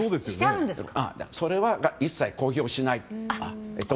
それは一切公表しない。